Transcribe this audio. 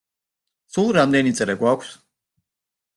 სულ რამდენი წრე გვაქვს?